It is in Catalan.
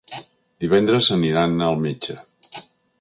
Divendres aniran al metge.